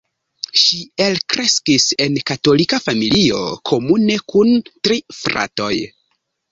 Ŝi elkreskis en katolika familio komune kun tri fratoj.